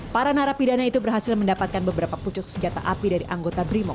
para narapidana itu berhasil mendapatkan beberapa pucuk senjata api dari anggota brimo